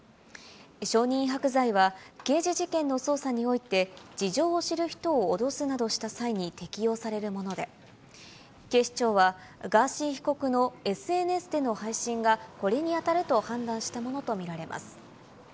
証人威迫罪は、刑事事件の捜査において、事情を知る人を脅すなどした際に適用されるもので、警視庁は、ガーシー被告のＳＮＳでの配信がこれに当たると判断したものと見られます。